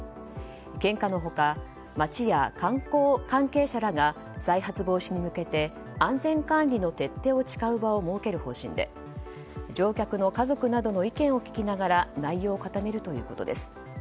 献花の他、町や観光関係者らが再発防止に向けて安全管理の徹底を誓う場を設ける方針で乗客の家族などの意見を聞きながら内容を固めるということです。